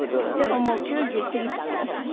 でももう９０過ぎたの？